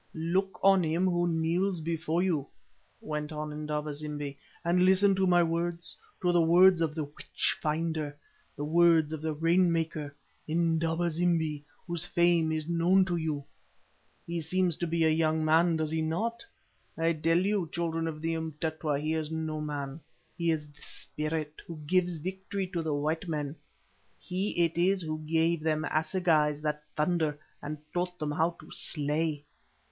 "Look on him who kneels before you," went on Indaba zimbi, "and listen to my words, to the words of the witch finder, the words of the rain maker, Indaba zimbi, whose fame is known to you. He seems to be a young man, does he not? I tell you, children of the Umtetwa, he is no man. He is the Spirit who gives victory to the white men, he it is who gave them assegais that thunder and taught them how to slay.